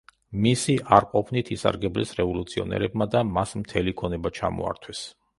მისი არ ყოფნით ისარგებლეს რევოლუციონერებმა და მას მთელი ქონება ჩამოართვეს.